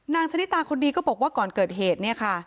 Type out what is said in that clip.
ชนิตาคนดีก็บอกว่าก่อนเกิดเหตุเนี่ยค่ะ